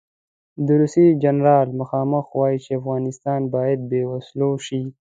د روسیې جنرال مخامخ وایي چې افغانستان باید بې وسلو شي.